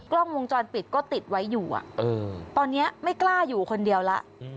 กล้องวงจรปิดก็ติดไว้อยู่ตอนนี้ไม่กล้าอยู่คนเดียวแล้ว